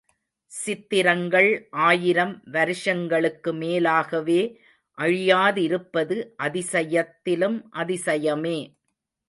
சித்திரங்கள் ஆயிரம் வருஷங்களுக்கு மேலாகவே அழியாதிருப்பது அதிசயத்திலும் அதிசயமே.